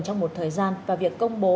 trong một thời gian và việc công bố